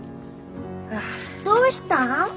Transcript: どうしたん？